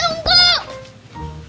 mbak erta tunggu